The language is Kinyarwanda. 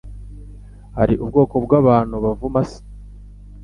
Hari ubwoko bw’abantu buvuma se